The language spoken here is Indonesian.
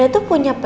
gue sudah ada